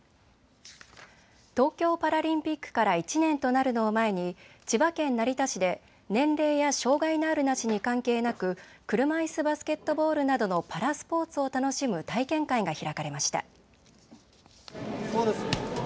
東京パラリンピックから１年となるのを前に千葉県成田市で年齢や障害のあるなしに関係なく車いすバスケットボールなどのパラスポーツを楽しむ体験会が開かれました。